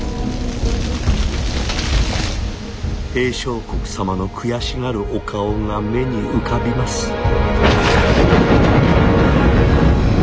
「平相国様の悔しがるお顔が目に浮かびます」。